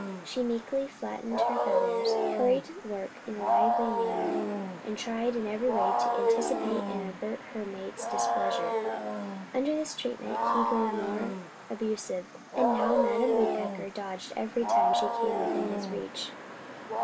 She meekly flattened her feathers, hurried work in a lively manner, and tried in every way to anticipate and avert her mate's displeasure. Under this treatment he grew more abusive, and now Madam Woodpecker dodged every time she came within his reach.